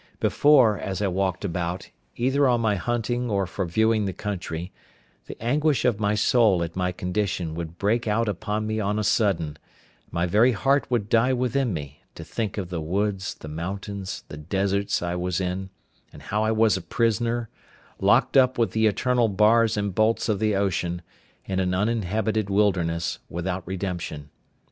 Before, as I walked about, either on my hunting or for viewing the country, the anguish of my soul at my condition would break out upon me on a sudden, and my very heart would die within me, to think of the woods, the mountains, the deserts I was in, and how I was a prisoner, locked up with the eternal bars and bolts of the ocean, in an uninhabited wilderness, without redemption.